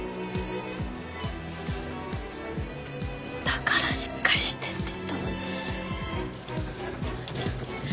だからしっかりしてって言ったのに！